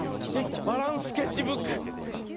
「バランスケッチブック」！